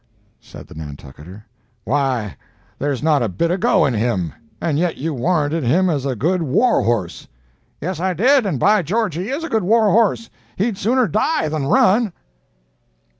said the Nantucketer. "Why there's not a bit of 'go' in him—and yet you warranted him as a good war horse." "Yes, I did, and by George he is a good war horse—he'd sooner die than run!"